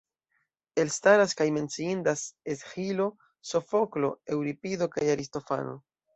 Elstaras kaj menciindas Esĥilo, Sofoklo, Eŭripido kaj Aristofano.